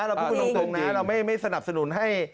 เราพูดกันตรงนะเราไม่สนับสนุนให้